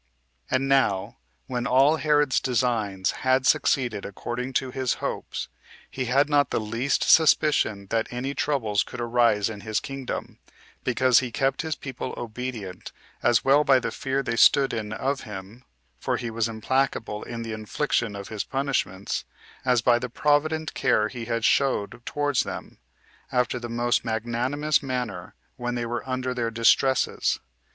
5. And now, when all Herod's designs had succeeded according to his hopes, he had not the least suspicion that any troubles could arise in his kingdom, because he kept his people obedient, as well by the fear they stood in of him, for he was implacable in the infliction of his punishments, as by the provident care he had showed towards them, after the most magnanimous manner, when they were under their distresses.